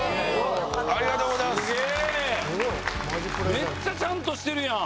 めっちゃちゃんとしてるやん！